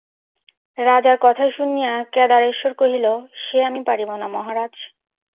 রাজার কথা শুনিয়া কেদারেশ্বর কহিল, সে আমি পারিব না মহারাজ।